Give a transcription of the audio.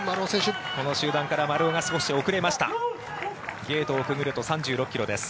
この集団から丸尾が少し遅れました。